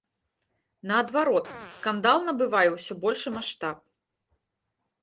Наадварот, скандал набывае ўсё большы маштаб.